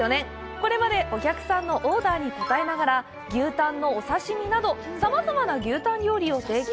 これまでお客さんのオーダーに応えながら牛タンのお刺身など、さまざまな牛タン料理を提供。